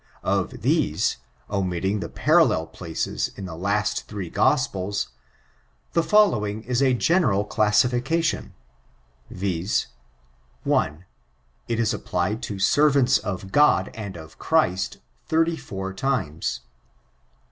Of these, omitting the parallel places in the last three Gospels, the fiillowing is a general classification, viz :— 1. It is applied to servants of God and of Christ, 84 times.